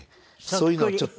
そういうのをちょっと。